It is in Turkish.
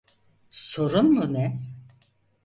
Sorun mu ne?